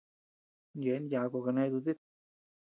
Yeabean yaku kané dutit.